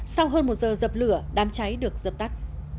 sau hơn một giờ dập lửa đám cháy được dập tắt